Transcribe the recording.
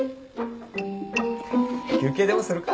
休憩でもするか。